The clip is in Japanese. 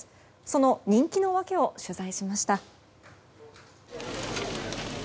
その人気の訳を取材しました。